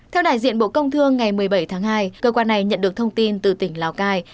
theo đại diện bộ công thương ngày một mươi bảy tháng hai cơ quan này nhận được thông tin từ tỉnh lào cai